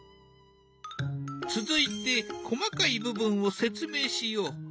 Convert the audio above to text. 続いて細かい部分を説明しよう。